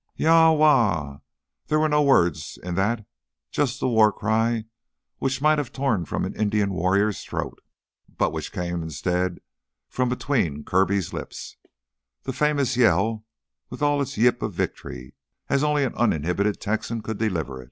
"Yahhhh aww wha " There were no words in that, just the war cry which might have torn from an Indian warrior's throat, but which came instead from between Kirby's lips: the famous Yell with all its yip of victory as only an uninhibited Texan could deliver it.